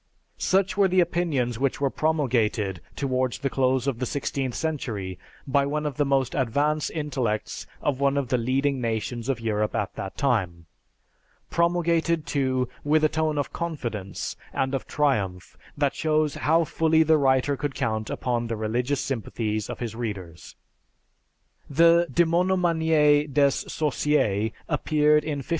Such were the opinions which were promulgated towards the close of the sixteenth century by one of the most advanced intellects of one of the leading nations of Europe at that time; promulgated, too, with a tone of confidence and of triumph that shows how fully the writer could count upon the religious sympathies of his readers: the "Demonomanie des Sorciers" appeared in 1581.